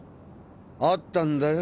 あったんだよ